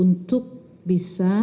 untuk memiliki kebijakan fiskal